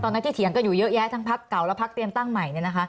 ที่เถียงกันอยู่เยอะแยะทั้งพักเก่าและพักเตรียมตั้งใหม่